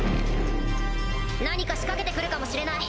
何か仕掛けて来るかもしれない。